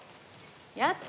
やった！